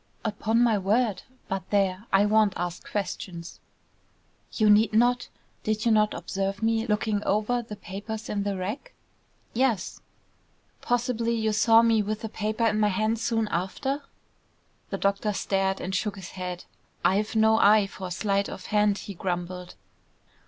"Upon my word! But there, I won't ask questions." "You need not. Did you not observe me looking over the papers in the rack?" "Yes." "Possibly you saw me with a paper in my hand soon after?" The doctor stared and shook his head. "I've no eye for sleight of hand," he grumbled.